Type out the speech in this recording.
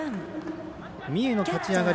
三重の立ち上がり